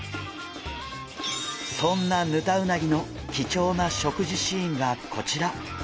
そんなヌタウナギの貴重な食事シーンがこちら！